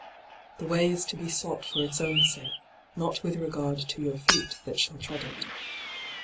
The way is to be sought for its own sake, not with regard to your feet that shall tread it.